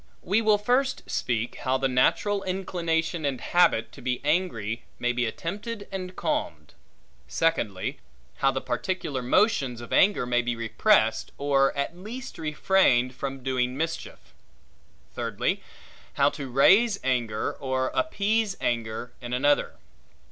We will first speak how the natural inclination and habit to be angry, may be attempted and calmed. Secondly, how the particular motions of anger may be repressed, or at least refrained from doing mischief. Thirdly, how to raise anger, or appease anger in another.